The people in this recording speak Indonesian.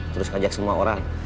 terus ajak semua orang